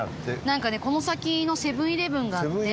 なんかねこの先のセブン−イレブンがあって。